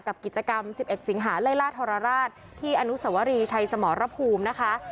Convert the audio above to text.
กิจกรรม๑๑สิงหาไล่ล่าทรราชที่อนุสวรีชัยสมรภูมินะคะ